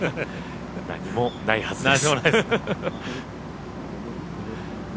何もないはずですが。